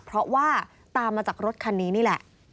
เพราะว่าตามมาจากรถคันนี้นี่แหละ